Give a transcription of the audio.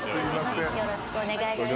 よろしくお願いします